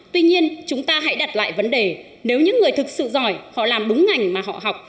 tuy nhiên chúng ta hãy đặt lại vấn đề nếu những người thực sự giỏi họ làm đúng ngành mà họ học